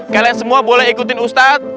kalian semua boleh ikutin ustadz